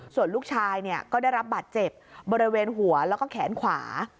ส่วนลูกชายก็ได้รับบาดเจ็บบริเวณหัวแล้วก็แขนขวา